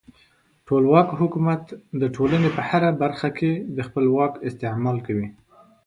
ټولواک حکومت د ټولنې په هره برخه کې د خپل واک استعمال کوي.